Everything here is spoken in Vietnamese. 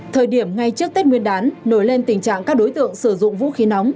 thời điểm ngay trước tết nguyên đán nổi lên tình trạng các đối tượng sử dụng vũ khí nóng